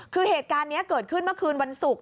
คือเหตุการณ์นี้เกิดขึ้นเมื่อคืนวันศุกร์